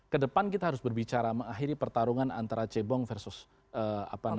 kedepan kita harus berbicara mengakhiri pertarungan antara cebong versus apa namanya